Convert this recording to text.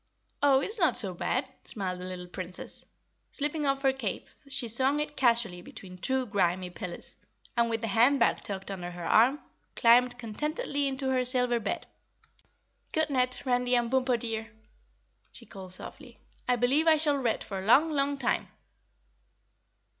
"Oh, it's not so bad," smiled the little Princess. Slipping off her cape, she swung it casually between two grimy pillars, and with the hand bag tucked under her arm, climbed contentedly into her silver bed. "Good net, Randy and Bumpo, dear!" she called softly. "I believe I shall ret for a long, long time."